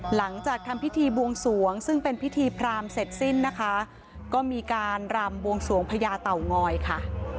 หลังจากทำพิธีบวงสวงซึ่งเป็นพิธีพรามเสร็จสิ้นนะคะก็มีการรำบวงสวงพญาเต่างอยค่ะ